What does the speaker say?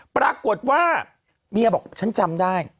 ปรากฏว่าเมียบอกฉันจำได้